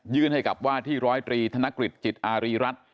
ยืนให้กับว่าที่๑๐๓ธนกฤษจิตอารีรัฐ